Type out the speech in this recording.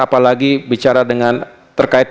apalagi bicara dengan terkait